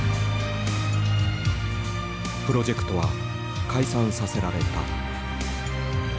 プロジェクトは解散させられた。